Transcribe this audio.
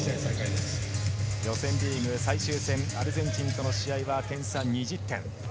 予選リーグ最終戦アルゼンチンとの試合は点差２０点。